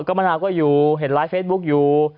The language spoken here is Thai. ก็มะนาวก็อยู่เห็นไลฟ์เฟซบุ๊กอยู่